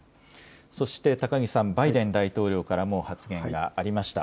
そして高木さん、バイデン大統領からも発言がありました。